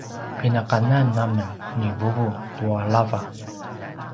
pinakanan amen ni vuvu tua lava